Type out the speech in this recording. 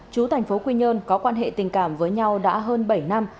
chú thành phố quy nhơn có quan hệ tình cảm với nhau đã hơn bảy năm